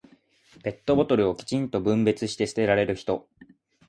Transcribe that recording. ペットボトルをきちんと分別して捨てられる人。